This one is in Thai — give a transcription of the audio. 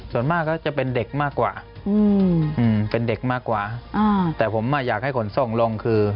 ส่วนมากก็จะเป็นเด็กมากกว่าอืมเป็นเด็กมากกว่าอ่าแต่ผมอ่ะอยากให้ขนส่งลงคือ